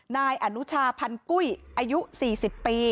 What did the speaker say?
นายอนุชาพันกุ้ยอายุ๔๐ปี